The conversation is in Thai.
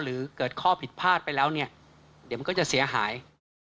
หรือเกิดข้อผิดพลาดไปแล้วเนี่ยเดี๋ยวมันก็จะเสียหาย